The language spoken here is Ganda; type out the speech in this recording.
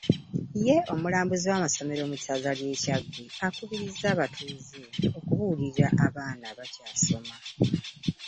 Ye omulambuzi wa masomero mu Ssaza ly’e Kyaggwe akubirizza abatuuze okubuulirira abaana abakyasoma .